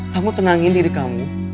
kamu tenangin diri kamu